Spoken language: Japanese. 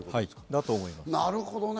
だと思います。